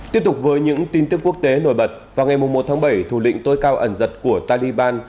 tiếp tục với những tin tức quốc tế nổi bật vào ngày một tháng bảy thủ lĩnh tối cao ẩn giật của taliban